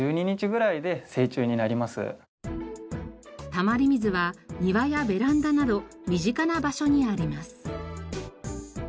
たまり水は庭やベランダなど身近な場所にあります。